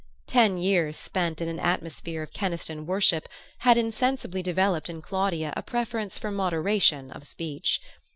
Ten years spent in an atmosphere of Keniston worship had insensibly developed in Claudia a preference for moderation of speech.